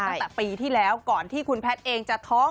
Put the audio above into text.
ตั้งแต่ปีที่แล้วก่อนที่คุณแพทย์เองจะท้อง